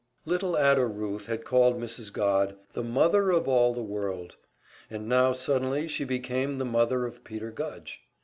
Little Ada Ruth had called Mrs. Godd "the mother of all the world;" and now suddenly she became the mother of Peter Gudge.